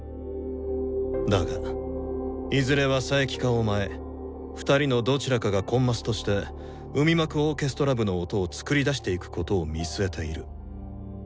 だがいずれは佐伯かお前２人のどちらかがコンマスとして海幕オーケストラ部の音を創り出していくことを見据えている。